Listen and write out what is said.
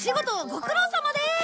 ご苦労さまでーす！